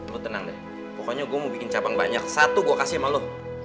lo tenang deh pokoknya gue mau bikin cabang banyak satu gue kasih sama lo